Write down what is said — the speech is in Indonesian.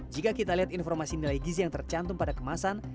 jika kita lihat informasi nilai gizi yang tercantum pada kemasan